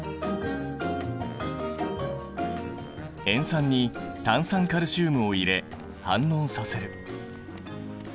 塩酸に炭酸カルシウムを入れ反応させる。